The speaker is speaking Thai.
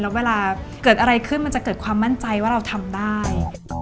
แล้วเวลาเกิดอะไรขึ้นมันจะเกิดความมั่นใจว่าเราทำได้